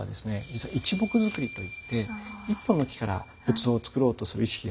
実は一木造りと言って１本の木から仏像を造ろうとする意識が働くんですね。